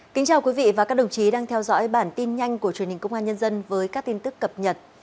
kính chào quý vị và các đồng chí đang theo dõi bản tin nhanh của truyền hình công an nhân dân với các tin tức cập nhật